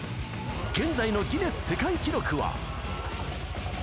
現在のギネス世界記録は。